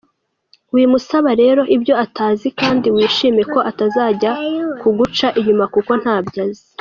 Wimusaba rero ibyo atazi kand wishime ko atajya kuguca inyuma kuko ntabyo azi.